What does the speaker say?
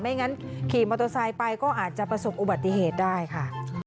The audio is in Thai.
ไม่อย่างนั้นขี่มอโตซายไปก็อาจจะประสบอุบัติเหตุได้ค่ะ